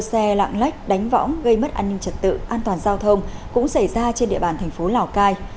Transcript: xe lạng lách đánh võng gây mất an ninh trật tự an toàn giao thông cũng xảy ra trên địa bàn thành phố lào cai